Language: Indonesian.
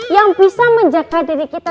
yang bisa menjaga diri kita